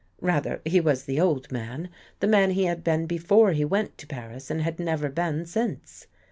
Rather, he was the old man — the man he had been before he went to Paris and had never been since.